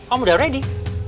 om udah ready